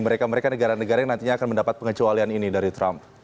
mereka mereka negara negara yang nantinya akan mendapat pengecualian ini dari trump